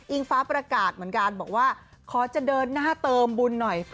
อิ้งฟ้าประกาศเบียบว่าขอเดินหน้าเติมบุญหน่อย